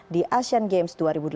di asean games dua ribu delapan belas